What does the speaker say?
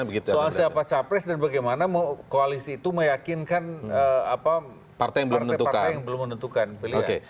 soal siapa capres dan bagaimana koalisi itu meyakinkan partai partai yang belum menentukan pilihan